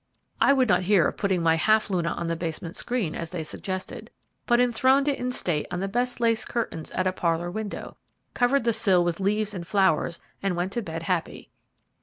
I would not hear of putting my Half luna on the basement screen as they suggested, but enthroned it in state on the best lace curtains at a parlour window, covered the sill with leaves and flowers, and went to bed happy.